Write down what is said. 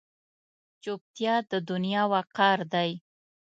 چوپتیا، د دنیا وقار دی.